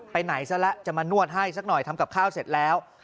ไปไหนซะแล้วจะมานวดให้สักหน่อยทำกับข้าวเสร็จแล้ว